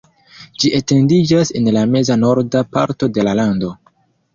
Ĝi etendiĝas en la meza-norda parto de la lando.